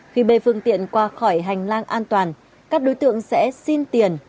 khi bê phương tiện qua khỏi hành lang an toàn các đối tượng sẽ xin tiền